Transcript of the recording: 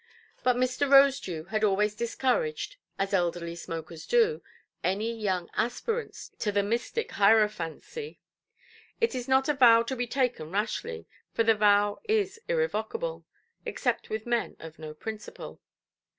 But Mr. Rosedew had always discouraged, as elderly smokers do, any young aspirants to the mystic hierophancy. It is not a vow to be taken rashly, for the vow is irrevocable; except with men of no principle.